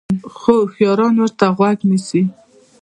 خو هوشیاران ورته غوږ نیسي.